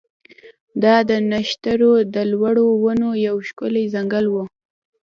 دا د نښترو د لوړو ونو یو ښکلی ځنګل و